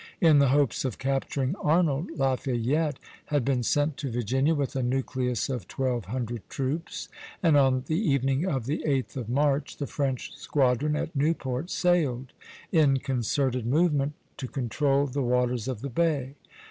In the hopes of capturing Arnold, Lafayette had been sent to Virginia with a nucleus of twelve hundred troops, and on the evening of the 8th of March the French squadron at Newport sailed, in concerted movement, to control the waters of the bay.